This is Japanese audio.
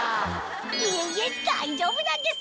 いえいえ大丈夫なんです